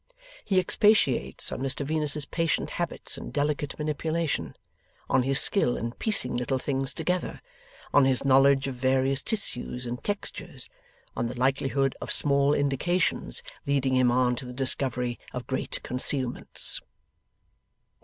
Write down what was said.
He expatiates on Mr Venus's patient habits and delicate manipulation; on his skill in piecing little things together; on his knowledge of various tissues and textures; on the likelihood of small indications leading him on to the discovery of great concealments.